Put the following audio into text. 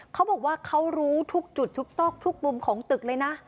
เขาบอกว่าเขารู้ทุกจุดทุกซอกทุกมุมของตึกเลยนะ